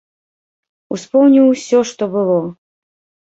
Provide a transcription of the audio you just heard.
Успомніў усё, што было.